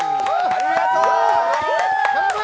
ありがとう！